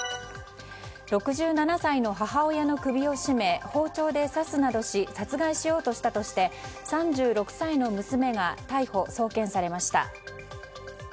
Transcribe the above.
６７歳の母親の首を絞め包丁で刺すなどし殺害しようとしたとして３６歳の娘が逮捕・送検されました。